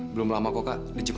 belum lama kok kak